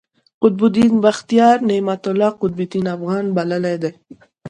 قطب الدین بختیار، نعمت الله اقطب افغان بللی دﺉ.